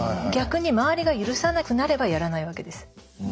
逆に周りが許さなくなればやらないわけです。